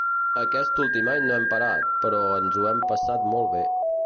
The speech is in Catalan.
Aquest últim any no hem parat, però ens ho hem passat molt bé.